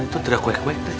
nah itu drakwek wek deh